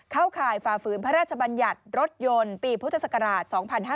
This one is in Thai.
ข่ายฝ่าฝืนพระราชบัญญัติรถยนต์ปีพุทธศักราช๒๕๕๙